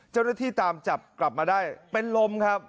เจ้าหน้าที่ตามจับกลับมาได้เป็นลมครับ